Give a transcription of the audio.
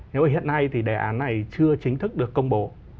nếu mà hiện nay thì đề án này chưa chính thức được công bố